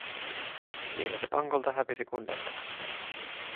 Siinä se pankolta hävisi kuin lentämällä.